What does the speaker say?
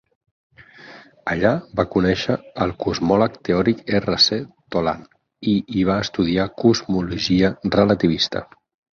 Allà va conèixer el cosmòleg teòric R. C. Tolan, i hi va estudiar cosmologia relativista.